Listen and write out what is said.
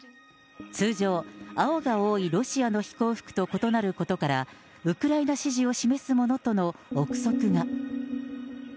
通常、青が多いロシアの飛行服と異なることから、ウクライナ支持を示すものとの臆測が。